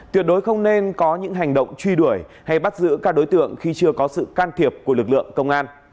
tuyệt đối không nên có những hành động truy đuổi hay bắt giữ các đối tượng khi chưa có sự can thiệp của lực lượng công an